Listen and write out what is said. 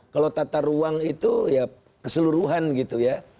kalau tata ruang itu ya keseluruhan gitu ya